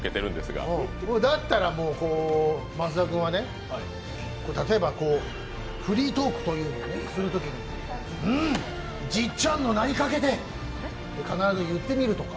だったら増田君はね、例えばフリートークをするときにうーん、じっちゃんの名にかけて！と必ず言ってみるとか。